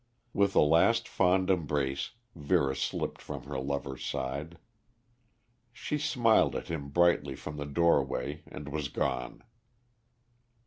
With a last fond embrace Vera slipped from her lover's side. She smiled at him brightly from the doorway and was gone.